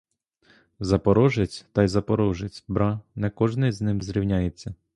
Запорожець, та й запорожець, бра, не кожний з ним зрівняється.